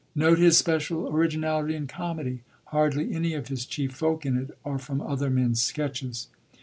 (Note his special originality in comedy. Hardly any of his chief folk in it are from other men's sketches.)